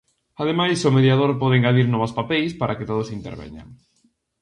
Ademais, o mediador pode engadir novos papeis para que todos interveñan.